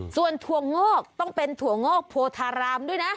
ส่วนถั่วงอกต้องเป็นถั่วงอกโพธารามด้วยนะ